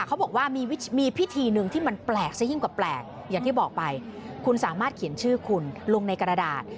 เขาบอกว่ามีพิธีหนึ่งที่มันแปลกซะยิ่งกว่าแปลกอย่างที่บอกไปคุณสามารถเขียนชื่อคุณลงในกระดาษ